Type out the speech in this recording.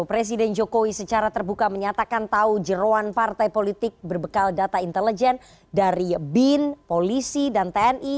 presiden jokowi secara terbuka menyatakan tahu jeruan partai politik berbekal data intelijen dari bin polisi dan tni